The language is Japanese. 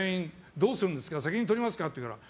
どうするんですか責任取りますか？って言われるから。